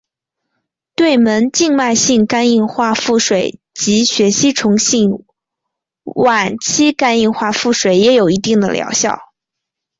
对门静脉性肝硬化腹水及血吸虫性晚期肝硬化腹水也有一定的疗效。